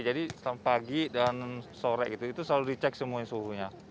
jadi pagi dan sore itu selalu dicek semuanya suhunya